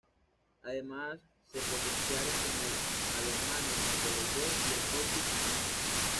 Además se potenciaron como el balonmano, el voleibol y el hockey femenino.